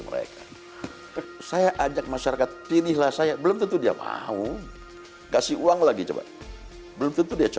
mereka saya ajak masyarakat pilihlah saya belum tentu dia mau kasih uang lagi coba belum tentu dia